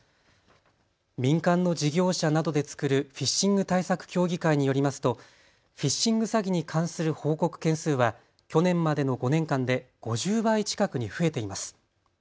民間の事業者などで作るフィッシング対策協議会によりますとフィッシング詐欺に関する報告件数は去年までの５年間で５０倍近くに増えています。